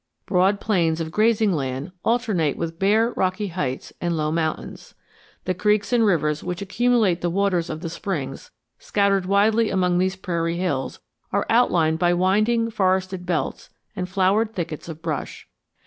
Broad plains of grazing land alternate with bare rocky heights and low mountains. The creeks and rivers which accumulate the waters of the springs scattered widely among these prairie hills are outlined by winding forested belts and flowered thickets of brush.